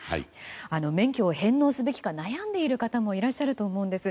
免許を返納すべきか悩んでいる方もいらっしゃると思うんです。